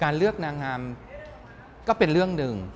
เลือกนางงามก็เป็นเรื่องหนึ่ง